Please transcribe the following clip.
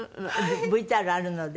ＶＴＲあるので。